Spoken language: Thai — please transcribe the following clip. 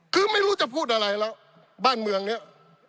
คือไม่รู้จะพูดอะไรแล้วบ้านเมืองเนี่ย